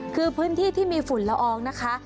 คือพื้นที่ที่มีฝุ่นละอองนะคะ